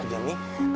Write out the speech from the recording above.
ya sudah pak